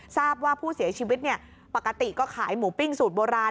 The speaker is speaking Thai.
ทราบว่าผู้เสียชีวิตปกติก็ขายหมูปิ้งสูตรโบราณ